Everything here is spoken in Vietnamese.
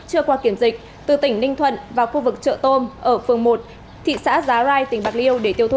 chưa qua kiểm dịch từ tỉnh ninh thuận vào khu vực chợ tôm ở phường một thị xã giá rai tỉnh bạc liêu để tiêu thụ